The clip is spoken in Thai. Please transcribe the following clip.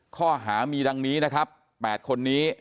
ข้อหามีดังนี้นะครับ๘คนนี้